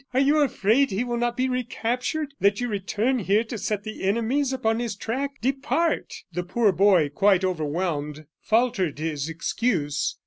Are you afraid he will not be recaptured, that you return here to set the enemies upon his track? Depart!" The poor boy, quite overwhelmed, faltered his excuse.